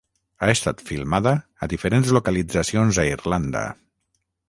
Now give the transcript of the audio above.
Ha estat filmada a diferents localitzacions a Irlanda.